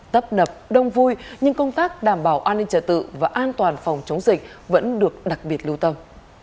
tấp nập đông vui nhưng công tác đảm bảo an ninh trả tự và an toàn phòng chống dịch vẫn được đặc biệt lưu tâm